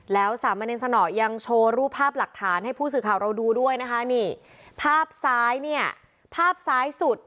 แล้วสามเณรสนอยังโชว์รูปภาพหลักฐานให้ผู้สื่อข่าวเราดูด้วยนะคะนี่ภาพซ้ายเนี่ยภาพซ้ายสุด